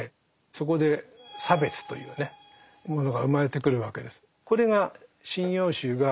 そこで差別というねものが生まれてくるわけです。